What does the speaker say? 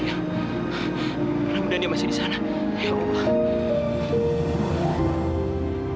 alhamdulillah dia masih di sana ya allah